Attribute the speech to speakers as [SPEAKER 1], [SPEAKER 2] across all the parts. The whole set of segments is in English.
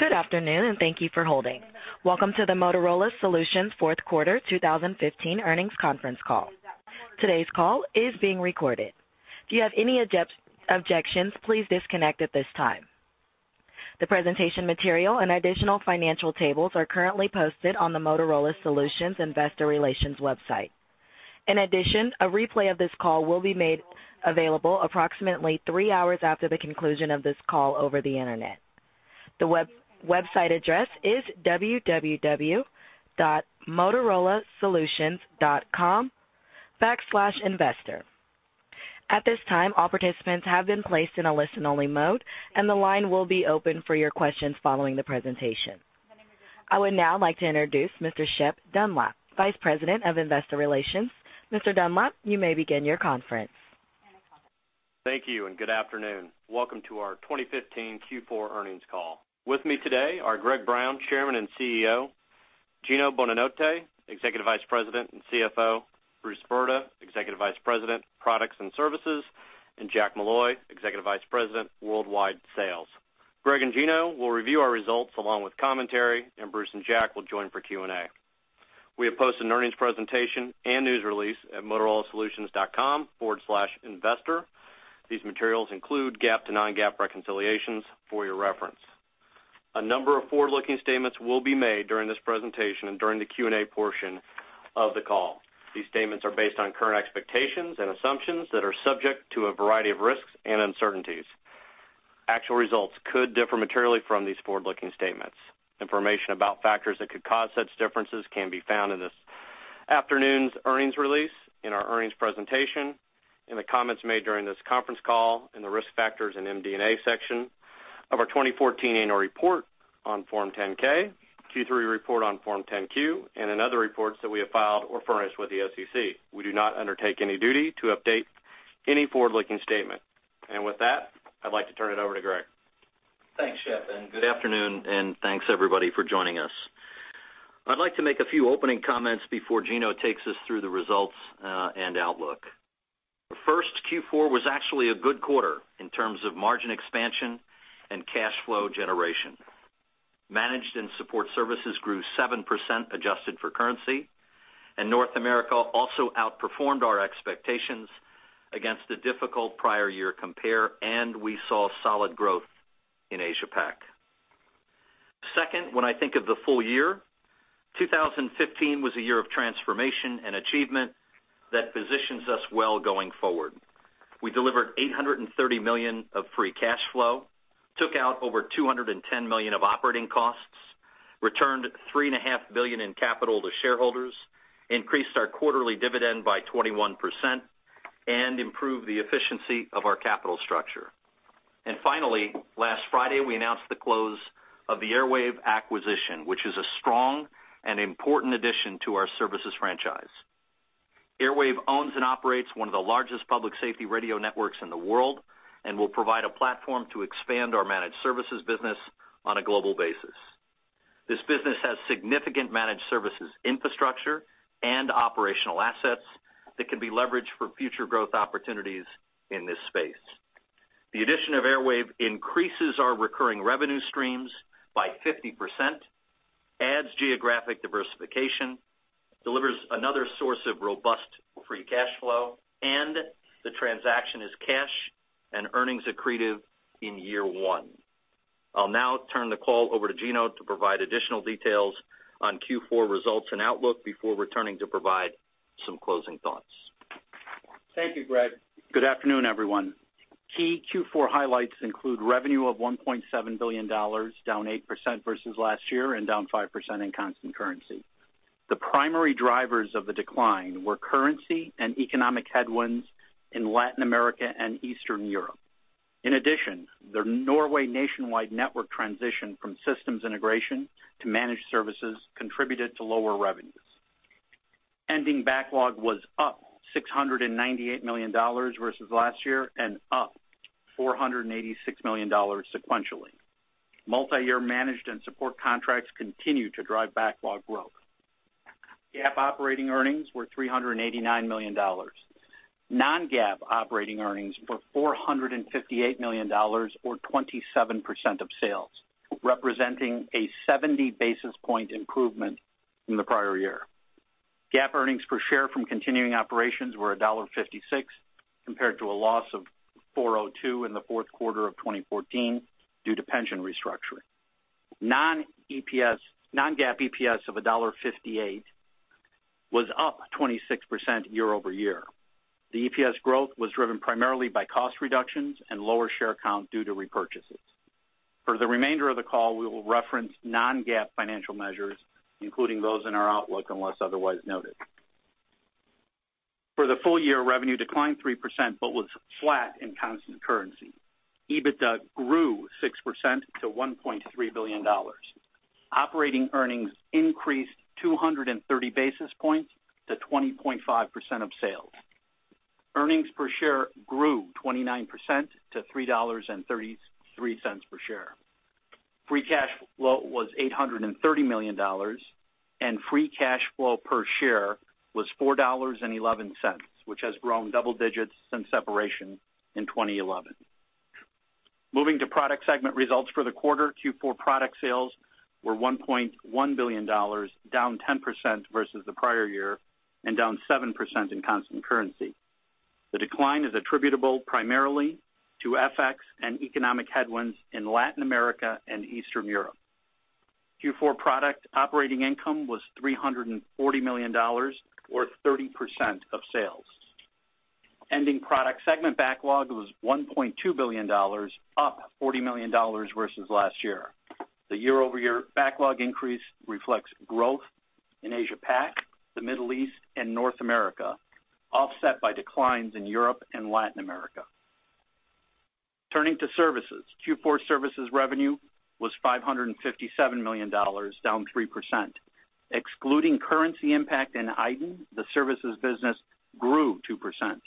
[SPEAKER 1] Good afternoon, and thank you for holding. Welcome to the Motorola Solutions Fourth Quarter 2015 Earnings Conference Call. Today's call is being recorded. If you have any objections, please disconnect at this time. The presentation material and additional financial tables are currently posted on the Motorola Solutions investor relations website. In addition, a replay of this call will be made available approximately three hours after the conclusion of this call over the Internet. The website address is www.motorolasolutions.com/investor. At this time, all participants have been placed in a listen-only mode, and the line will be open for your questions following the presentation. I would now like to introduce Mr. Shep Dunlap, Vice President of Investor Relations. Mr. Dunlap, you may begin your conference.
[SPEAKER 2] Thank you, and good afternoon. Welcome to our 2015 Q4 earnings call. With me today are Greg Brown, Chairman and CEO; Gino Bonanotte, Executive Vice President and CFO; Bruce Brda, Executive Vice President, Products and Services; and Jack Molloy, Executive Vice President, Worldwide Sales. Greg and Gino will review our results along with commentary, and Bruce and Jack will join for Q&A. We have posted an earnings presentation and news release at motorolasolutions.com/investor. These materials include GAAP to non-GAAP reconciliations for your reference. A number of forward-looking statements will be made during this presentation and during the Q&A portion of the call. These statements are based on current expectations and assumptions that are subject to a variety of risks and uncertainties. Actual results could differ materially from these forward-looking statements. Information about factors that could cause such differences can be found in this afternoon's earnings release, in our earnings presentation, in the comments made during this conference call, in the Risk Factors and MD&A section of our 2014 annual report on Form 10-K, Q3 report on Form 10-Q, and in other reports that we have filed or furnished with the SEC. We do not undertake any duty to update any forward-looking statement. With that, I'd like to turn it over to Greg.
[SPEAKER 3] Thanks, Shep, and good afternoon, and thanks, everybody, for joining us. I'd like to make a few opening comments before Gino takes us through the results, and outlook. First, Q4 was actually a good quarter in terms of margin expansion and cash flow generation. Managed and support services grew 7% adjusted for currency, and North America also outperformed our expectations against a difficult prior year compare, and we saw solid growth in AsiaPac. Second, when I think of the full year, 2015 was a year of transformation and achievement that positions us well going forward. We delivered $830 million of free cash flow, took out over $210 million of operating costs, returned $3.5 billion in capital to shareholders, increased our quarterly dividend by 21%, and improved the efficiency of our capital structure. And finally, last Friday, we announced the close of the Airwave acquisition, which is a strong and important addition to our services franchise. Airwave owns and operates one of the largest public safety radio networks in the world and will provide a platform to expand our managed services business on a global basis. This business has significant managed services infrastructure and operational assets that can be leveraged for future growth opportunities in this space. The addition of Airwave increases our recurring revenue streams by 50%, adds geographic diversification, delivers another source of robust free cash flow, and the transaction is cash and earnings accretive in year one. I'll now turn the call over to Gino to provide additional details on Q4 results and outlook before returning to provide some closing thoughts.
[SPEAKER 4] Thank you, Greg. Good afternoon, everyone. Key Q4 highlights include revenue of $1.7 billion, down 8% versus last year and down 5% in constant currency. The primary drivers of the decline were currency and economic headwinds in Latin America and Eastern Europe. In addition, the Norway nationwide network transition from systems integration to managed services contributed to lower revenues. Ending backlog was up $698 million versus last year and up $486 million sequentially. Multiyear managed and support contracts continue to drive backlog growth. GAAP operating earnings were $389 million. Non-GAAP operating earnings were $458 million or 27% of sales, representing a seventy basis point improvement from the prior year. GAAP earnings per share from continuing operations were $1.56, compared to a loss of $0.42 in the fourth quarter of 2014 due to pension restructuring. Non-GAAP EPS of $1.58 was up 26% year-over-year. The EPS growth was driven primarily by cost reductions and lower share count due to repurchases. For the remainder of the call, we will reference non-GAAP financial measures, including those in our outlook, unless otherwise noted. For the full year, revenue declined 3% but was flat in constant currency. EBITDA grew 6% to $1.3 billion. Operating earnings increased 230 basis points to 20.5% of sales. Earnings per share grew 29% to $3.33 per share. Free cash flow was $830 million. Free cash flow per share was $4.11, which has grown double digits since separation in 2011. Moving to product segment results for the quarter, Q4 product sales were $1.1 billion, down 10% versus the prior year and down 7% in constant currency. The decline is attributable primarily to FX and economic headwinds in Latin America and Eastern Europe. Q4 product operating income was $340 million, or 30% of sales. Ending product segment backlog was $1.2 billion, up $40 million versus last year. The year-over-year backlog increase reflects growth in AsiaPac, the Middle East and North America, offset by declines in Europe and Latin America. Turning to services. Q4 services revenue was $557 million, down 3%. Excluding currency impact iDEN, the services business grew 2%.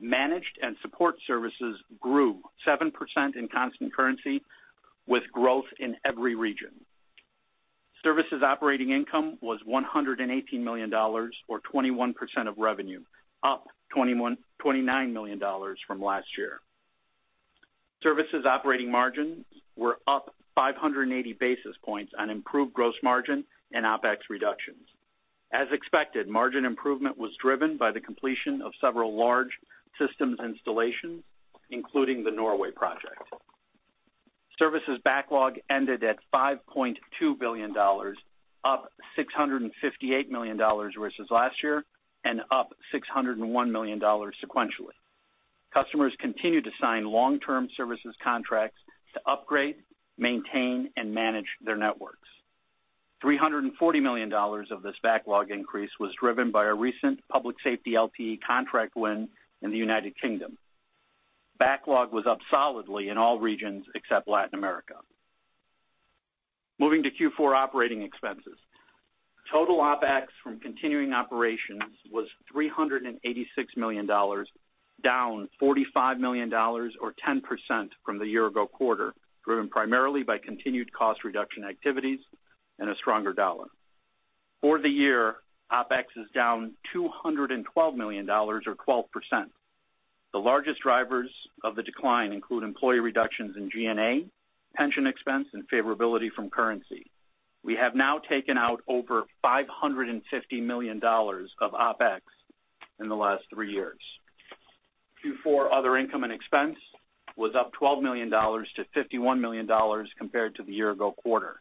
[SPEAKER 4] Managed and support services grew 7% in constant currency, with growth in every region. Services operating income was $118 million, or 21% of revenue, up $29 million from last year. Services operating margins were up 580 basis points on improved gross margin and OpEx reductions. As expected, margin improvement was driven by the completion of several large systems installations, including the Norway project. Services backlog ended at $5.2 billion, up $658 million versus last year, and up $601 million sequentially. Customers continued to sign long-term services contracts to upgrade, maintain, and manage their networks. $340 million of this backlog increase was driven by a recent public safety LTE contract win in the United Kingdom. Backlog was up solidly in all regions except Latin America. Moving to Q4 operating expenses. Total OpEx from continuing operations was $386 million, down $45 million or 10% from the year ago quarter, driven primarily by continued cost reduction activities and a stronger dollar. For the year, OpEx is down $212 million or 12%. The largest drivers of the decline include employee reductions in G&A, pension expense, and favorability from currency. We have now taken out over $550 million of OpEx in the last three years. Q4 other income and expense was up $12 million to $51 million compared to the year ago quarter.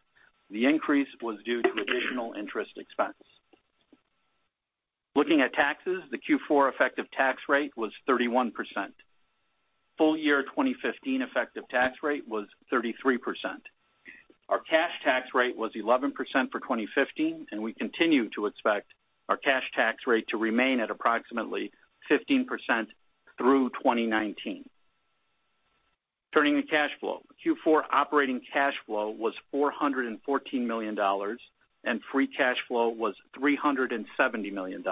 [SPEAKER 4] The increase was due to additional interest expense. Looking at taxes, the Q4 effective tax rate was 31%. Full year 2015 effective tax rate was 33%. Our cash tax rate was 11% for 2015, and we continue to expect our cash tax rate to remain at approximately 15% through 2019. Turning to cash flow. Q4 operating cash flow was $414 million, and free cash flow was $370 million.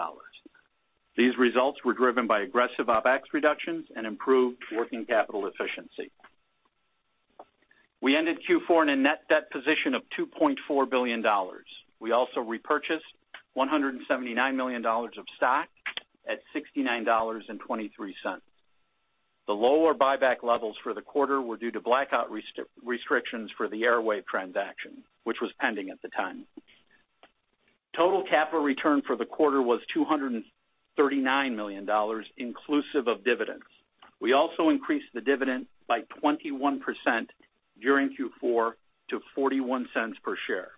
[SPEAKER 4] These results were driven by aggressive OpEx reductions and improved working capital efficiency. We ended Q4 in a net debt position of $2.4 billion. We also repurchased $179 million of stock at $69.23. The lower buyback levels for the quarter were due to blackout restrictions for the Airwave transaction, which was pending at the time. Total capital return for the quarter was $239 million, inclusive of dividends. We also increased the dividend by 21% during Q4 to $0.41 per share.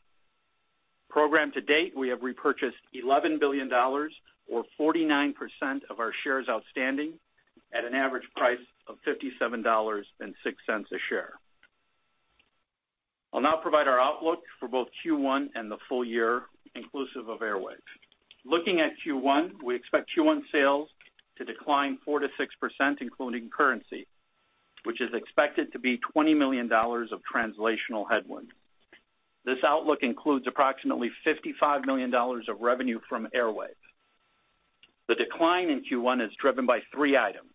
[SPEAKER 4] Year-to-date, we have repurchased $11 billion or 49% of our shares outstanding at an average price of $57.06 a share. I'll now provide our outlook for both Q1 and the full year, inclusive of Airwave. Looking at Q1, we expect Q1 sales to decline 4%-6%, including currency, which is expected to be $20 million of translational headwinds. This outlook includes approximately $55 million of revenue from Airwave. The decline in Q1 is driven by three items: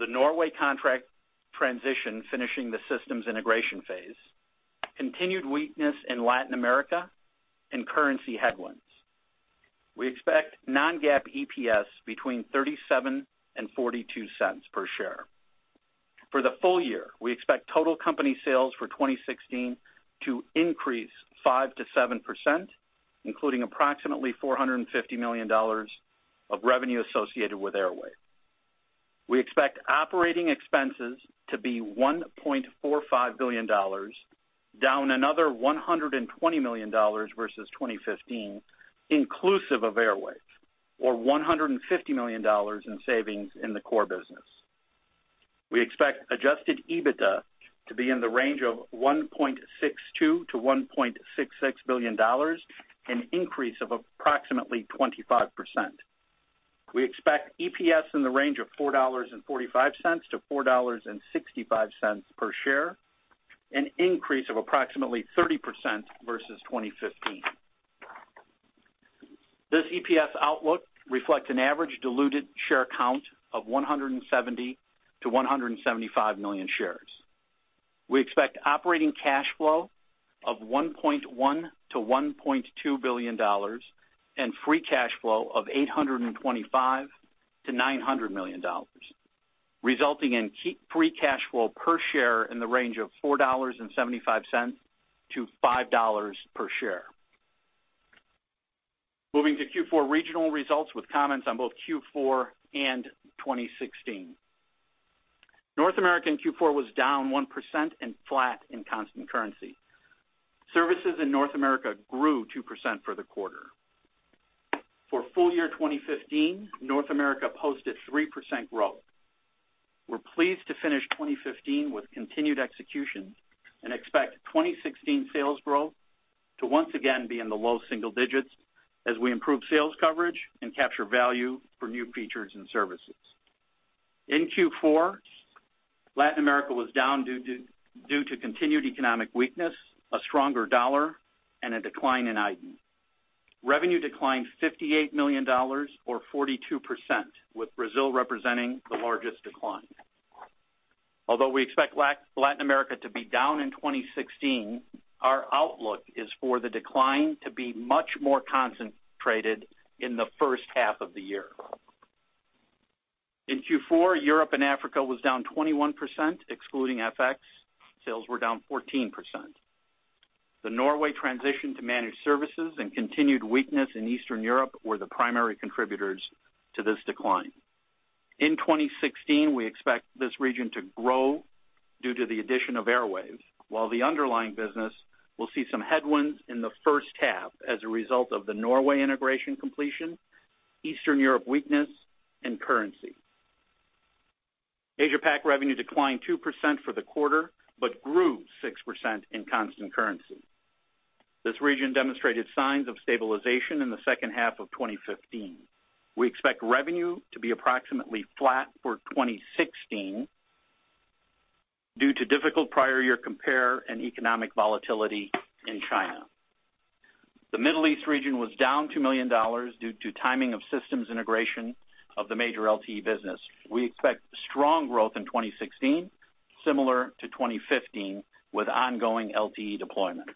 [SPEAKER 4] the Norway contract transition, finishing the systems integration phase, continued weakness in Latin America, and currency headwinds. We expect non-GAAP EPS between $0.37 and $0.42 per share. For the full year, we expect total company sales for 2016 to increase 5%-7%, including approximately $450 million of revenue associated with Airwave. We expect operating expenses to be $1.45 billion, down another $120 million versus 2015, inclusive of Airwave, or $150 million in savings in the core business. We expect adjusted EBITDA to be in the range of $1.62 billion-$1.66 billion, an increase of approximately 25%. We expect EPS in the range of $4.45-$4.65 per share, an increase of approximately 30% versus 2015. This EPS outlook reflects an average diluted share count of 170 million-175 million shares. We expect operating cash flow of $1.1 billion-$1.2 billion and free cash flow of $825 million-$900 million, resulting in key free cash flow per share in the range of $4.75-$5 per share. Moving to Q4 regional results with comments on both Q4 and 2016. North America in Q4 was down 1% and flat in constant currency. Services in North America grew 2% for the quarter. For full year 2015, North America posted 3% growth. We're pleased to finish 2015 with continued execution and expect 2016 sales growth to once again be in the low single digits as we improve sales coverage and capture value for new features and services. In Q4, Latin America was down due to continued economic weakness, a stronger dollar, and a decline in iDEN. Revenue declined $58 million or 42%, with Brazil representing the largest decline. Although we expect Latin America to be down in 2016, our outlook is for the decline to be much more concentrated in the first half of the year. In Q4, Europe and Africa was down 21%, excluding FX, sales were down 14%. The Norway transition to managed services and continued weakness in Eastern Europe were the primary contributors to this decline. In 2016, we expect this region to grow due to the addition of Airwave, while the underlying business will see some headwinds in the first half as a result of the Norway integration completion, Eastern Europe weakness, and currency. AsiaPac revenue declined 2% for the quarter, but grew 6% in constant currency. This region demonstrated signs of stabilization in the second half of 2015. We expect revenue to be approximately flat for 2016 due to difficult prior year compare and economic volatility in China. The Middle East region was down $2 million due to timing of systems integration of the major LTE business. We expect strong growth in 2016, similar to 2015, with ongoing LTE deployments.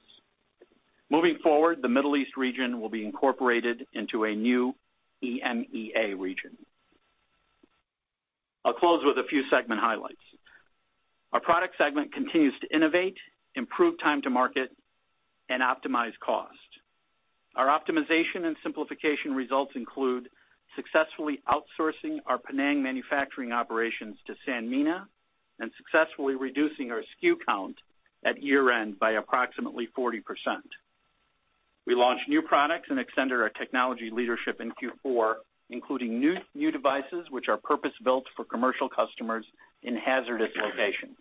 [SPEAKER 4] Moving forward, the Middle East region will be incorporated into a new EMEA region. I'll close with a few segment highlights. Our product segment continues to innovate, improve time to market, and optimize cost. Our optimization and simplification results include successfully outsourcing our Penang manufacturing operations to Sanmina and successfully reducing our SKU count at year-end by approximately 40%. We launched new products and extended our technology leadership in Q4, including new devices, which are purpose-built for commercial customers in hazardous locations.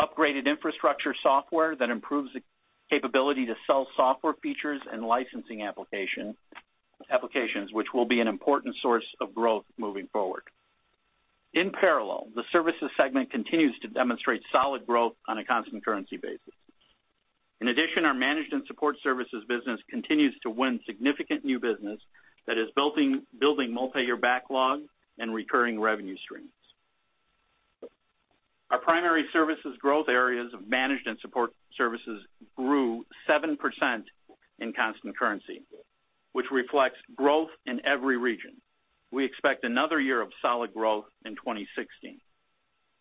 [SPEAKER 4] Upgraded infrastructure software that improves the capability to sell software features and licensing applications, which will be an important source of growth moving forward. In parallel, the services segment continues to demonstrate solid growth on a constant currency basis. In addition, our managed and support services business continues to win significant new business that is building multiyear backlog and recurring revenue streams. Our primary services growth areas of managed and support services grew 7% in constant currency, which reflects growth in every region. We expect another year of solid growth in 2016.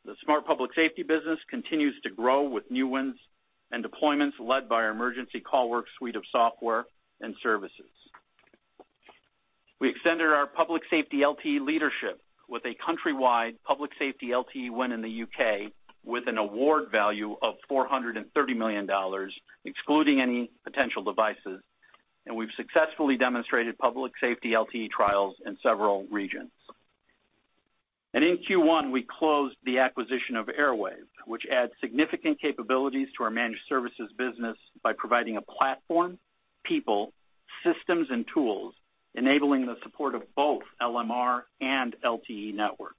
[SPEAKER 4] The Smart Public Safety business continues to grow with new wins and deployments led by our Emergency CallWorks suite of software and services. We extended our public safety LTE leadership with a countrywide public safety LTE win in the UK, with an award value of $430 million, excluding any potential devices, and we've successfully demonstrated public safety LTE trials in several regions. In Q1, we closed the acquisition of Airwave, which adds significant capabilities to our managed services business by providing a platform, people, systems, and tools, enabling the support of both LMR and LTE networks.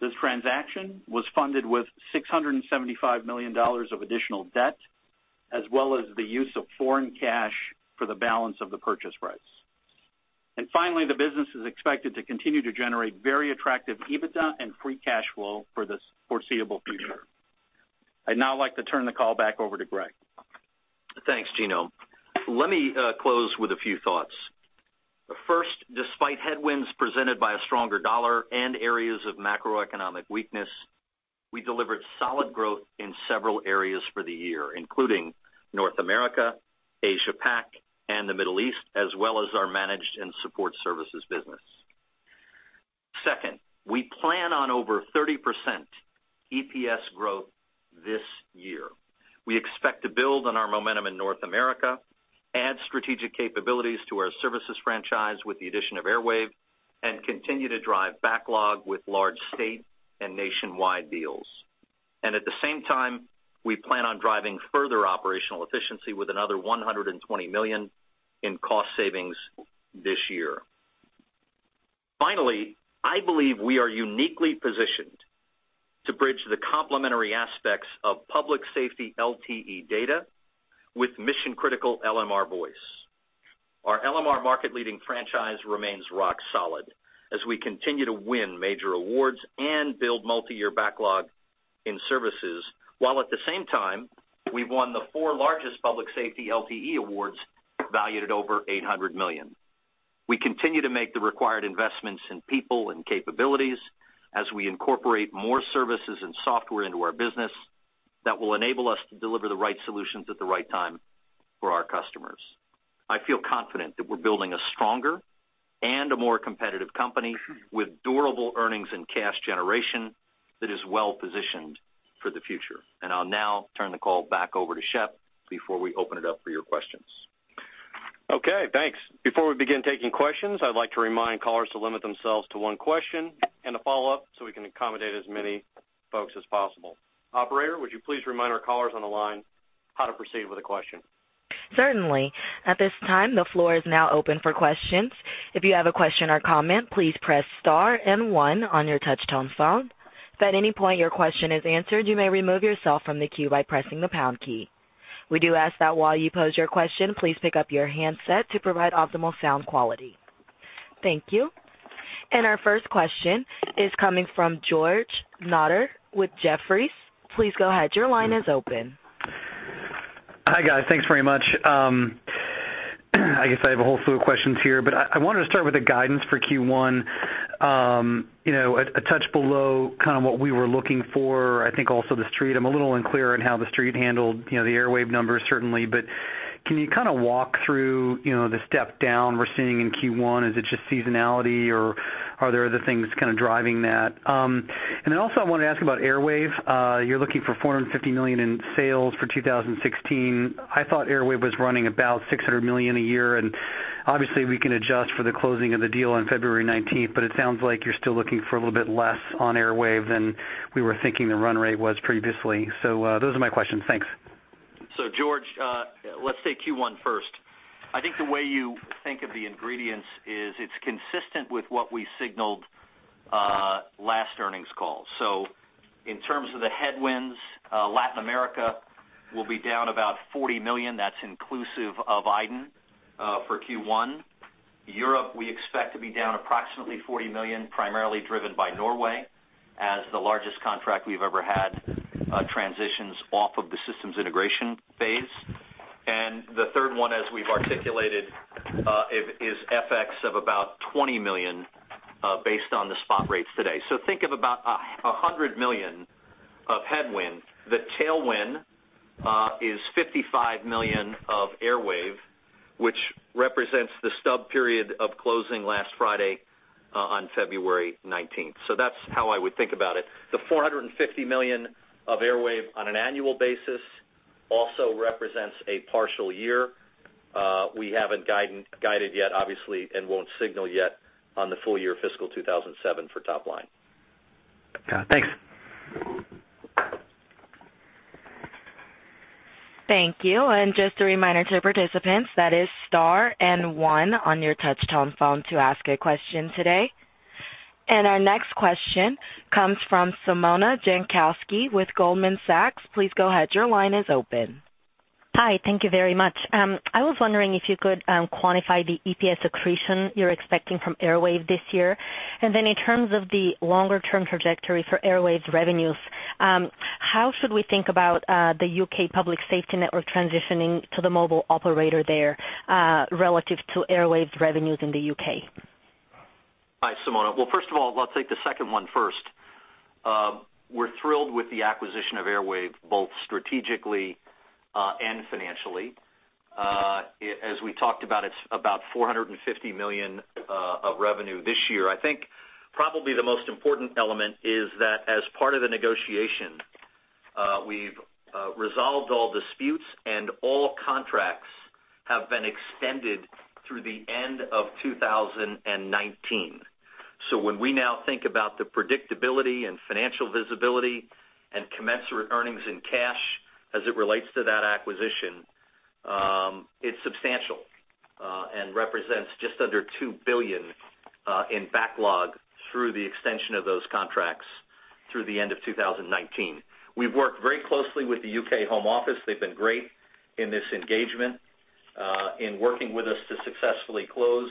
[SPEAKER 4] This transaction was funded with $675 million of additional debt, as well as the use of foreign cash for the balance of the purchase price. Finally, the business is expected to continue to generate very attractive EBITDA and free cash flow for the foreseeable future. I'd now like to turn the call back over to Greg.
[SPEAKER 3] Thanks, Gino. Let me close with a few thoughts. First, despite headwinds presented by a stronger dollar and areas of macroeconomic weakness, we delivered solid growth in several areas for the year, including North America, AsiaPac, and the Middle East, as well as our managed and support services business. Second, we plan on over 30% EPS growth this year. We expect to build on our momentum in North America, add strategic capabilities to our services franchise with the addition of Airwave, and continue to drive backlog with large state and nationwide deals. At the same time, we plan on driving further operational efficiency with another $120 million in cost savings this year. Finally, I believe we are uniquely positioned to bridge the complementary aspects of public safety LTE data with mission-critical LMR voice. Our LMR market leading franchise remains rock solid as we continue to win major awards and build multiyear backlog in services, while at the same time, we've won the four largest public safety LTE awards, valued at over $800 million. We continue to make the required investments in people and capabilities as we incorporate more services and software into our business that will enable us to deliver the right solutions at the right time for our customers. I feel confident that we're building a stronger and a more competitive company with durable earnings and cash generation that is well positioned for the future. And I'll now turn the call back over to Shep before we open it up for your questions.
[SPEAKER 2] Okay, thanks. Before we begin taking questions, I'd like to remind callers to limit themselves to one question and a follow-up, so we can accommodate as many folks as possible. Operator, would you please remind our callers on the line how to proceed with a question?
[SPEAKER 1] Certainly. At this time, the floor is now open for questions. If you have a question or comment, please press star and one on your touchtone phone. If at any point your question is answered, you may remove yourself from the queue by pressing the pound key. We do ask that while you pose your question, please pick up your handset to provide optimal sound quality. Thank you. Our first question is coming from George Notter with Jefferies. Please go ahead. Your line is open.
[SPEAKER 5] Hi, guys. Thanks very much. I guess I have a whole slew of questions here, but I wanted to start with the guidance for Q1. A touch below what we were looking for, I think also the Street. I'm a little unclear on how the Street handled, you know, the Airwave numbers, certainly, but can youwalk through, you know, the step down we're seeing in Q1? Is it just seasonality, or are there other things kind of driving that? Also I wanted to ask about Airwave. You're looking for $450 million in sales for 2016. I thought Airwave was running about $600 million a year, and obviously, we can adjust for the closing of the deal on February nineteenth, but it sounds like you're still looking for a little bit less on Airwave than we were thinking the run rate was previously. Those are my questions. Thanks.
[SPEAKER 3] So George, let's take Q1 first. I think the way you think of the ingredients is it's consistent with what we signaled last earnings call. So in terms of the headwinds, Latin America will be down about $40 million. That's inclusive of iDEN for Q1. Europe, we expect to be down approximately $40 million, primarily driven by Norway, as the largest contract we've ever had transitions off of the systems integration phase. The third one, as we've articulated, is FX of about $20 million based on the spot rates today. So think of about a $100 million of headwind. The tailwind is $55 million of Airwave, which represents the stub period of closing last Friday on February 19th. So that's how I would think about it. The $450 million of Airwave on an annual basis also represents a partial year. We haven't guided yet, obviously, and won't signal yet on the full year fiscal 2007 for top line.
[SPEAKER 5] Got it. Thanks.
[SPEAKER 1] Thank you. And just a reminder to participants, that is star and one on your touchtone phone to ask a question today. And our next question comes from Simona Jankowski with Goldman Sachs. Please go ahead. Your line is open.
[SPEAKER 6] Hi, thank you very much. I was wondering if you could quantify the EPS accretion you're expecting from Airwave this year. And then in terms of the longer-term trajectory for Airwave's revenues, how should we think about the UK Public Safety Network transitioning to the mobile operator there, relative to Airwave's revenues in the UK?
[SPEAKER 3] Hi, Simona. Well, first of all, let's take the second one first. We're thrilled with the acquisition of Airwave, both strategically, and financially. As we talked about, it's about $450 million of revenue this year. I think probably the most important element is that as part of the negotiation, we've resolved all disputes and all contracts have been extended through the end of 2019. So when we now think about the predictability and financial visibility and commensurate earnings in cash as it relates to that acquisition, it's substantial, and represents just under $2 billion in backlog through the extension of those contracts through the end of 2019. We've worked very closely with the UK Home Office. They've been great in this engagement in working with us to successfully close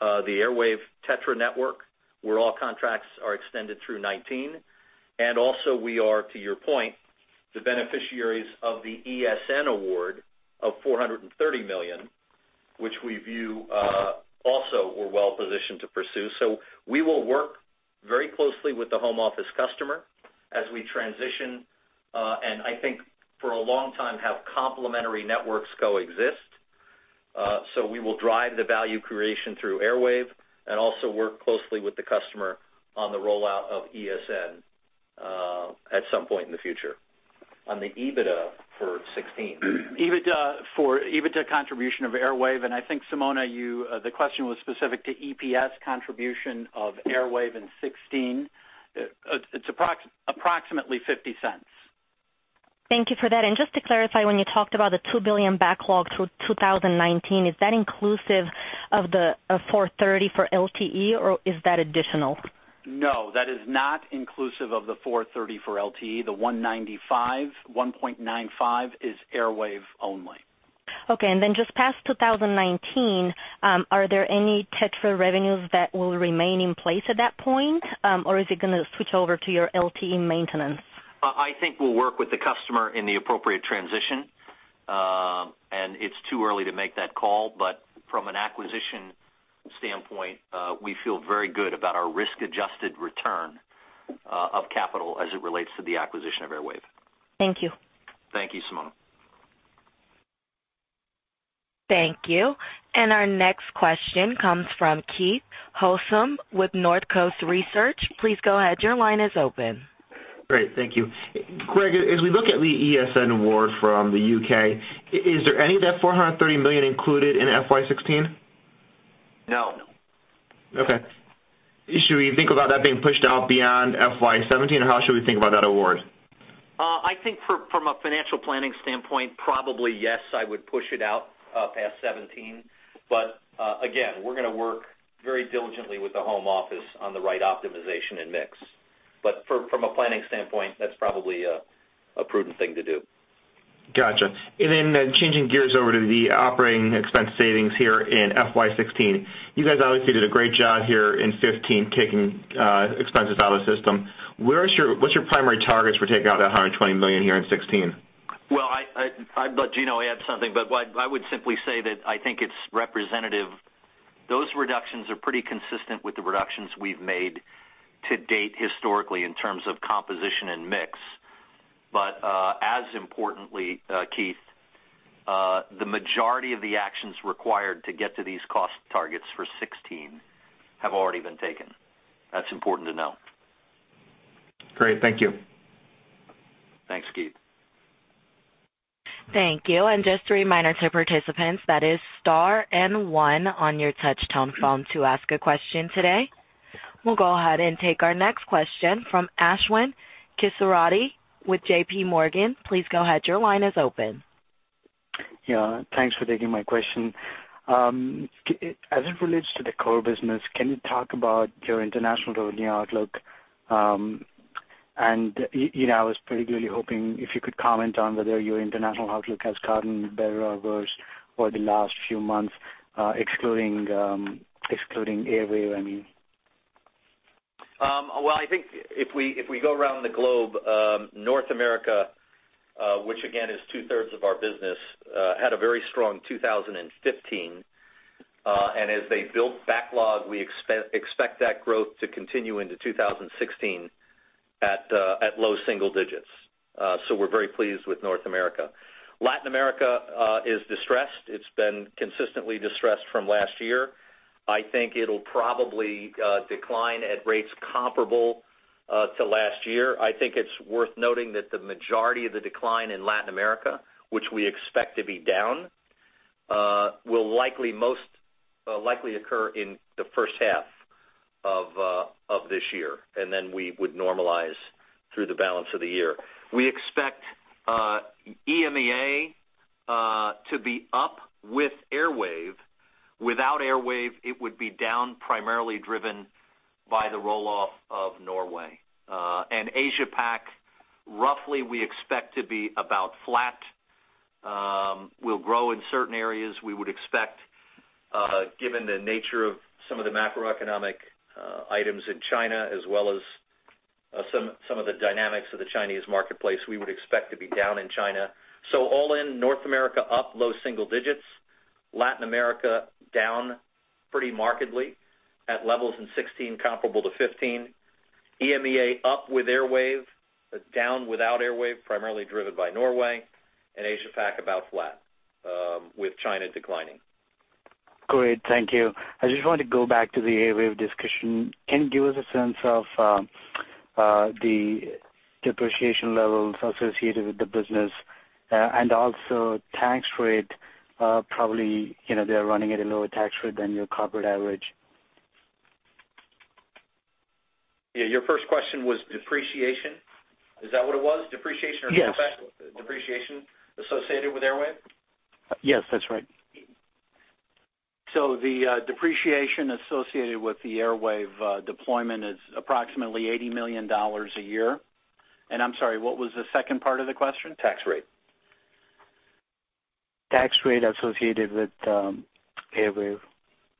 [SPEAKER 3] the Airwave TETRA network, where all contracts are extended through 2019. And also, we are, to your point, the beneficiaries of the ESN award of $430 million, which we view, also we're well positioned to pursue. So we will work very closely with the Home Office customer as we transition, and I think for a long time, have complementary networks coexist. So we will drive the value creation through Airwave and also work closely with the customer on the rollout of ESN at some point in the future. On the EBITDA for 2016.
[SPEAKER 4] EBITDA for EBITDA contribution of Airwave, and I think, Simona, you, the question was specific to EPS contribution of Airwave in 2016. It's approximately $0.50.
[SPEAKER 6] Thank you for that. Just to clarify, when you talked about the $2 billion backlogs for 2019, is that inclusive of the $430 million for LTE, or is that additional?
[SPEAKER 3] No, that is not inclusive of the $430 million for LTE. The $195, $1.95, is Airwave only.
[SPEAKER 6] Okay. And then just past 2019, are there any TETRA revenues that will remain in place at that point? Or is it going to switch over to your LTE maintenance?
[SPEAKER 3] I think we'll work with the customer in the appropriate transition. And it's too early to make that call. But from an acquisition standpoint, we feel very good about our risk-adjusted return of capital as it relates to the acquisition of Airwave.
[SPEAKER 6] Thank you.
[SPEAKER 3] Thank you, Simona.
[SPEAKER 1] Thank you. Our next question comes from Keith Housum with Northcoast Research. Please go ahead. Your line is open.
[SPEAKER 7] Great. Thank you. Greg, as we look at the ESN award from the U.K., is there any of that $430 million included in FY 2016?
[SPEAKER 3] No.
[SPEAKER 7] Okay. Should we think about that being pushed out beyond FY 2017, or how should we think about that award?
[SPEAKER 3] I think from a financial planning standpoint, probably yes, I would push it out past 2017. But again, we're going to work very diligently with the Home Office on the right optimization and mix. But from a planning standpoint, that's probably a prudent thing to do.
[SPEAKER 7] Gotcha. And then changing gears over to the operating expense savings here in FY 2016. You guys obviously did a great job here in 2015, taking expenses out of the system. What's your primary targets for taking out that $120 million here in 2016?
[SPEAKER 3] Well, I'd let Gino add something, but I would simply say that I think it's representative. Those reductions are pretty consistent with the reductions we've made to date historically in terms of composition and mix. But, as importantly, Keith, the majority of the actions required to get to these cost targets for 2016 have already been taken. That's important to know.
[SPEAKER 7] Great. Thank you.
[SPEAKER 3] Thanks, Keith.
[SPEAKER 1] Thank you. Just a reminder to participants, that is star and one on your touch-tone phone to ask a question today. We'll go ahead and take our next question from Ashwin Kesireddy with JPMorgan. Please go ahead. Your line is open.
[SPEAKER 8] Yeah, thanks for taking my question. As it relates to the core business, can you talk about your international revenue outlook? And, you know, I was particularly hoping if you could comment on whether your international outlook has gotten better or worse over the last few months, excluding, excluding Airwave, I mean.
[SPEAKER 3] Well, I think if we go around the globe, North America, which again is 2/3 of our business, had a very strong 2015, and as they built backlog, we expect that growth to continue into 2016 at low single digits. So we're very pleased with North America. Latin America is distressed. It's been consistently distressed from last year. I think it'll probably decline at rates comparable to last year. I think it's worth noting that the majority of the decline in Latin America, which we expect to be down, will likely, most likely occur in the first half of this year, and then we would normalize through the balance of the year. We expect EMEA to be up with Airwave. Without Airwave, it would be down, primarily driven by the roll-off of Norway. AsiaPac, roughly, we expect to be about flat. We'll grow in certain areas. We would expect, given the nature of some of the macroeconomic items in China, as well as some of the dynamics of the Chinese marketplace, we would expect to be down in China. All in North America, up low single digits, Latin America, down pretty markedly at levels in 2016, comparable to 2015. EMEA, up with Airwave, down without Airwave, primarily driven by Norway, and AsiaPac, about flat, with China declining.
[SPEAKER 7] Great, thank you. I just want to go back to the Airwave discussion. Can you give us a sense of the depreciation levels associated with the business and also tax rate? Probably, you know, they're running at a lower tax rate than your corporate average.
[SPEAKER 3] Yeah. Your first question was depreciation. Is that what it was? Depreciation?
[SPEAKER 8] Yes.
[SPEAKER 3] Depreciation associated with Airwave?
[SPEAKER 8] Yes, that's right.
[SPEAKER 3] The depreciation associated with the Airwave deployment is approximately $80 million a year. I'm sorry, what was the second part of the question?
[SPEAKER 8] Tax rate. Tax rate associated with Airwave.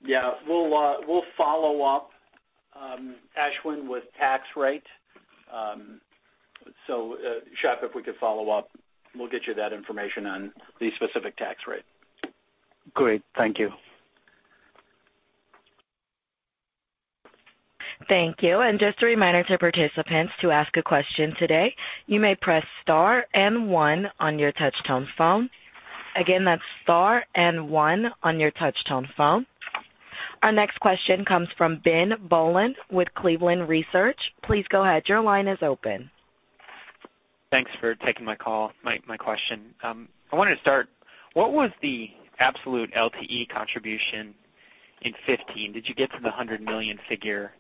[SPEAKER 3] Yeah. We'll, we'll follow up, Ashwin, with tax rate. So, Shep, if we could follow up, we'll get you that information on the specific tax rate.
[SPEAKER 8] Great. Thank you.
[SPEAKER 1] Thank you. And just a reminder to participants, to ask a question today, you may press star and one on your touch-tone phone. Again, that's star and one on your touch-tone phone. Our next question comes from Ben Bollin with Cleveland Research. Please go ahead. Your line is open.
[SPEAKER 9] Thanks for taking my call, my question. I wanted to start, what was the absolute LTE contribution in 2015? Did you get to the $100 million figure?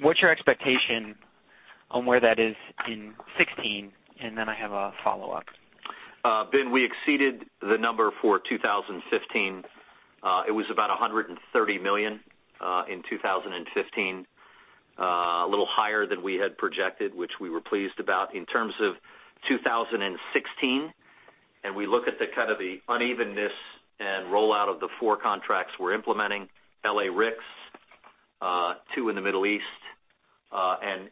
[SPEAKER 9] What's your expectation on where that is in 2016? And then I have a follow-up.
[SPEAKER 3] Ben, we exceeded the number for 2015. It was about $130 million in 2015, a little higher than we had projected, which we were pleased about. In terms of 2016, we look at the kind of the unevenness and rollout of the four contracts we're implementing, LA-RICS, two in the Middle East, and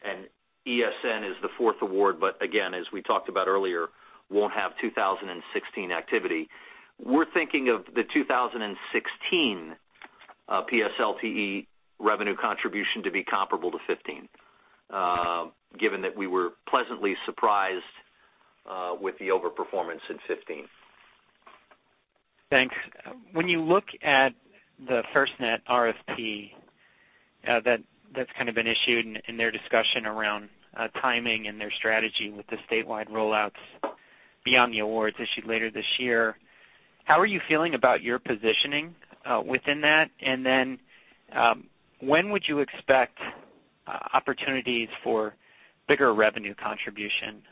[SPEAKER 3] ESN is the fourth award, but again, as we talked about earlier, won't have 2016 activity. We're thinking of the 2016 PSLTE revenue contribution to be comparable to 2015, given that we were pleasantly surprised with the overperformance in 2015.
[SPEAKER 9] Thanks. When you look at the FirstNet RFP, that's kind of been issued in their discussion around timing and their strategy with the statewide rollouts beyond the awards issued later this year, how are you feeling about your positioning within that? And then, when would you expect opportunities for bigger revenue contribution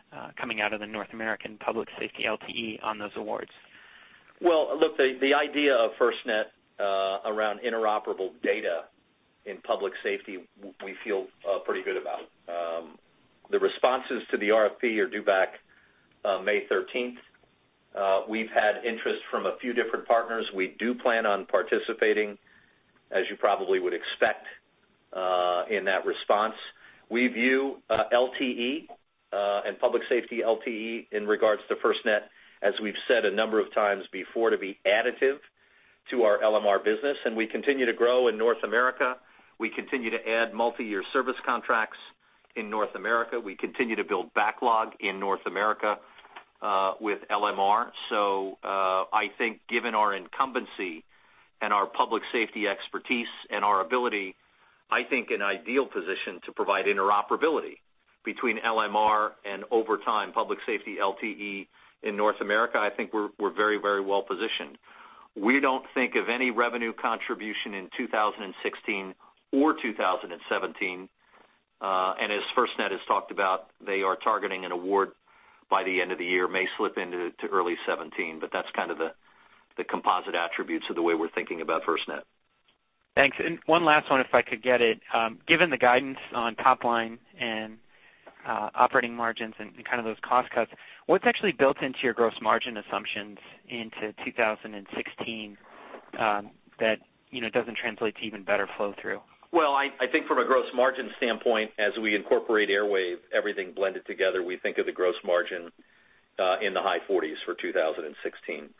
[SPEAKER 9] coming out of the North American Public Safety LTE on those awards?
[SPEAKER 3] Well, look, the idea of FirstNet around interoperable data in public safety, we feel pretty good about. The responses to the RFP are due back May 13th. We've had interest from a few different partners. We do plan on participating, as you probably would expect, in that response. We view LTE and public safety LTE in regards to FirstNet, as we've said a number of times before, to be additive to our LMR business, and we continue to grow in North America. We continue to add multiyear service contracts in North America. We continue to build backlog in North America with LMR. So, I think given our incumbency and our public safety expertise and our ability, I think an ideal position to provide interoperability between LMR and over time, public safety LTE in North America, I think we're, we're very, very well positioned. We don't think of any revenue contribution in 2016 or 2017. And as FirstNet has talked about, they are targeting an award by the end of the year, may slip into early 2017, but that's kind of the composite attributes of the way we're thinking about FirstNet.
[SPEAKER 9] Thanks. And one last one, if I could get it. Given the guidance on top line and operating margins and, and kind of those cost cuts, what's actually built into your gross margin assumptions into 2016, that doesn't translate to even better flow through?
[SPEAKER 3] Well, I think from a gross margin standpoint, as we incorporate Airwave, everything blended together, we think of the gross margin in the high 40s for 2016.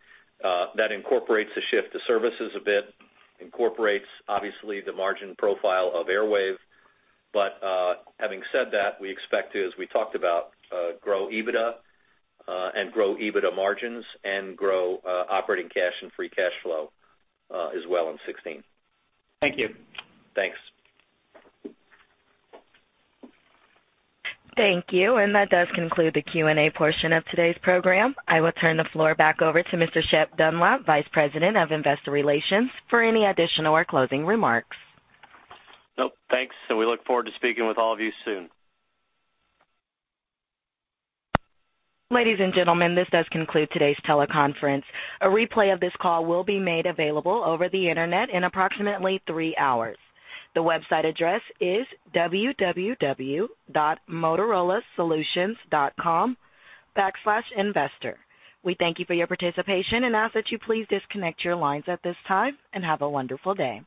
[SPEAKER 3] That incorporates the shift to services a bit, incorporates, obviously, the margin profile of Airwave. But, having said that, we expect to, as we talked about, grow EBITDA and grow EBITDA margins, and grow operating cash and free cash flow, as well in 2016.
[SPEAKER 9] Thank you.
[SPEAKER 3] Thanks.
[SPEAKER 1] Thank you, and that does conclude the Q&A portion of today's program. I will turn the floor back over to Mr. Shep Dunlap, Vice President of Investor Relations, for any additional or closing remarks.
[SPEAKER 2] Nope, thanks, and we look forward to speaking with all of you soon.
[SPEAKER 1] Ladies and gentlemen, this does conclude today's teleconference. A replay of this call will be made available over the Internet in approximately three hours. The website address is www.motorolasolutions.com/investor. We thank you for your participation and ask that you please disconnect your lines at this time, and have a wonderful day.